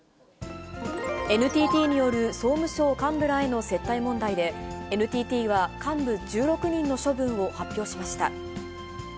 ＮＴＴによる総務省幹部らへの接待問題で、ＮＴＴは幹部１６人の処分を発表しました。